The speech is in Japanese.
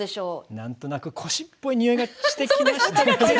何となく腰っぽいにおいがしてきましたけれど。